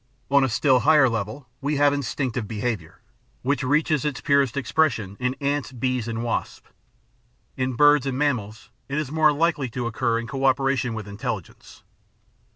On a still higher level we have instinctive behaviour, which reaches its purest expression in ants, bees, and wasps. In birds and mammals it is more likely to occur in co operation with intelhgence.